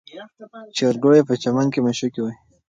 چرګوړي په چمن کې مښوکې وهي.